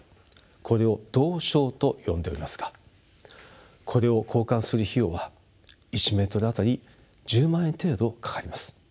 これを道床と呼んでおりますがこれを交換する費用は１メートル当たり１０万円程度かかります。